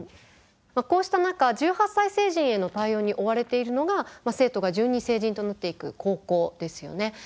こうした中１８歳成人への対応に追われているのが生徒が順に成人となっていく高校ですよね。